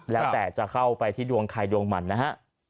แล้วแต่จะเข้าไปที่ดวงใครดวงมันนะฮะ